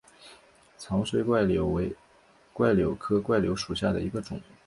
长穗柽柳为柽柳科柽柳属下的一个种。